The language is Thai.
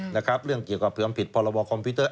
นะครับเรื่องเกี่ยวกับผิดพระราชบัญญัติคอมพิวเตอร์